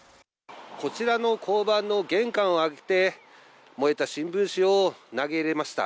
こちらの交番の玄関を開けて、燃えた新聞紙を投げ入れました。